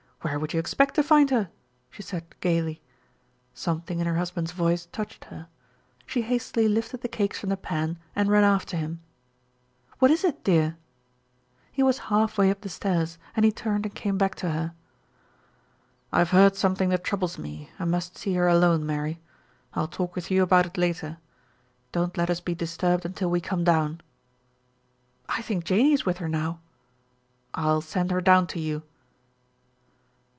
Where would you expect to find her?" she said gayly. Something in her husband's voice touched her. She hastily lifted the cakes from the pan and ran after him. "What is it, dear?" He was halfway up the stairs and he turned and came back to her. "I've heard something that troubles me, and must see her alone, Mary. I'll talk with you about it later. Don't let us be disturbed until we come down." "I think Janey is with her now." "I'll send her down to you."